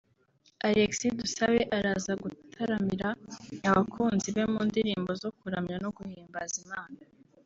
Alexis Dusabe araza gutaramira abakunzi be mu ndirimbo zo kuramya no guhimbaza Imana